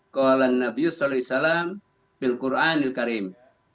qohlan nabi sallallahu alaihi wasallam bil qur'an il karim